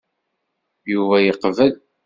Yuba yeqbel.